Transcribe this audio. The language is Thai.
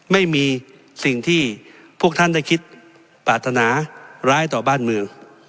ไม่มีสิ่งที่พวกท่านได้คิดปรารถนาร้ายต่อบ้านเมือง